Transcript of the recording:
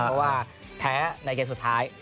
เพราะว่าแพ้ในเกมสุดท้าย